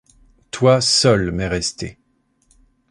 Toi, seule, m’es restée!